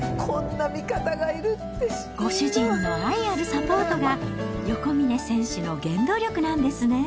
ご主人の愛あるサポートが、横峯選手の原動力なんですね。